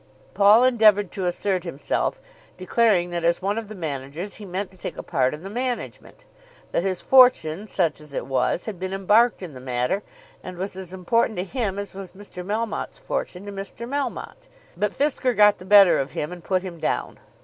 Paul endeavoured to assert himself, declaring that as one of the managers he meant to take a part in the management; that his fortune, such as it was, had been embarked in the matter, and was as important to him as was Mr. Melmotte's fortune to Mr. Melmotte. But Fisker got the better of him and put him down.